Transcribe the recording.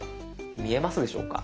見えますでしょうか？